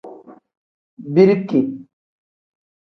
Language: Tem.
Birike.